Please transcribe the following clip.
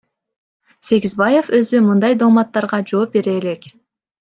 Сегизбаев өзү мындай дооматтарга жооп бере элек.